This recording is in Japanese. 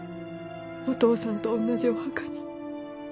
お父さんと同じお墓に。